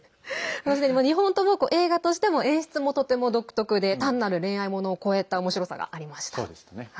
２本とも映画としても演出も、とても独特で単なる恋愛物を超えたおもしろさがありました。